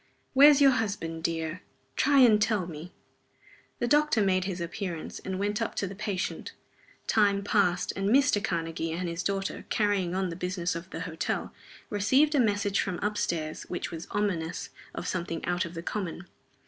"Where's your husband, dear? Try and tell me." The doctor made his appearance, and went up to the patient. Time passed, and Mr. Karnegie and his daughter, carrying on the business of the hotel, received a message from up stairs which was ominous of something out of the common.